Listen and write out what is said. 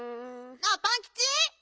あっパンキチ。